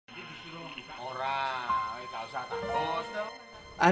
ini disuruh kita orang ini tak usah takut